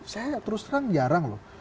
saya terus terang jarang loh